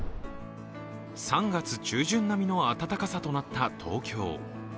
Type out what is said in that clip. ３月中旬並みの暖かさとなった東京。